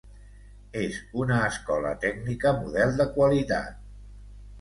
És una escola tècnica model de qualitat.